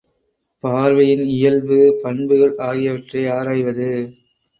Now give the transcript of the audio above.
பார்வையின் இயல்பு, பண்புகள் ஆகியவற்றை ஆராய்வது.